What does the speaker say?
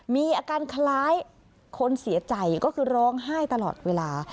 มีอาการคล้ายคนเสียใจก็คือร้องไห้ตลอดเวลา